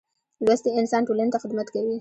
لوستی انسان ټولنې ته خدمت کوي.